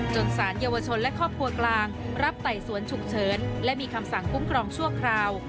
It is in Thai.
สารเยาวชนและครอบครัวกลางรับไต่สวนฉุกเฉินและมีคำสั่งคุ้มครองชั่วคราว